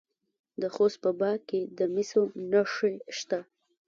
د خوست په باک کې د مسو نښې شته.